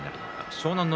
湘南乃